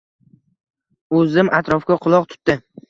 U zim atrofga quloq tutdi.